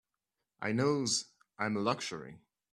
I knows I'm a luxury.